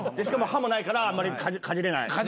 しかも歯もないからあんまりかじれない。